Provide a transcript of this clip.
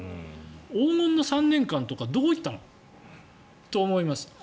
黄金の３年間とかどこ行ったの？と思います。